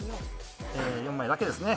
４枚だけです。